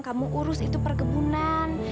kamu urus itu perkebunan